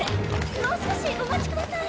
もう少しお待ちください！